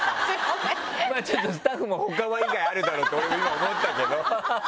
まぁちょっとスタッフも「他は？」以外あるだろと俺今思ったけど。